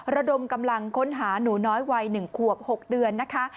ระดมกำลังค้นหาหนูน้อยวัย๑ขวบ๖เดือนนะคะ